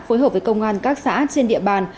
phối hợp với công an các xã trên địa bàn